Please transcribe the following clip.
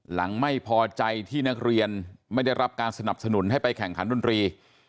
หลังไม่พอใจที่นักเรียนไม่ได้รับการสนับสนุนให้ไปแข่งขันดนตรี